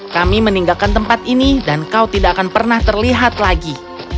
kami meninggalkan tempat ini dan kau tidak akan pernah terlihat lagi